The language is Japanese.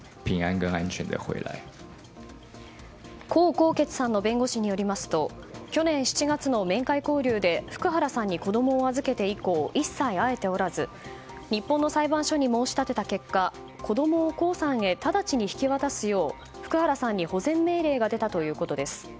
江宏傑さんの弁護士によりますと去年７月の面会交流で福原さんに子供を預けて以降一切会えておらず日本の裁判所に申し立てた結果子供を江さんへただちに引き渡すよう福原さんに保全命令が出たということです。